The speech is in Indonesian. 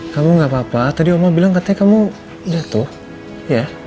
kamu gak apa apa tadi oma bilang katanya kamu udah tuh ya